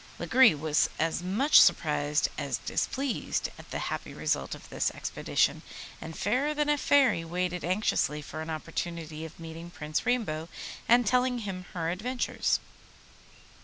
Lagree was as much surprised as displeased at the happy result of this expedition, and Fairer than a Fairy waited anxiously for an opportunity of meeting Prince Rainbow and telling him her adventures.